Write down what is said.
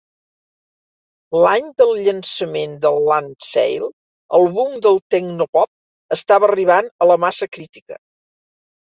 L'any del llançament de "Landsale", el boom del tecnopop estava arribant a la massa crítica.